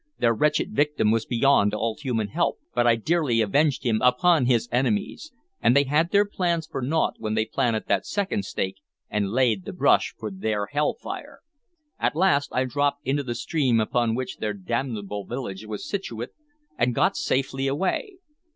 Their wretched victim was beyond all human help, but I dearly avenged him upon his enemies. And they had their pains for naught when they planted that second stake and laid the brush for their hell fire. At last I dropped into the stream upon which their damnable village was situate, and got safely away.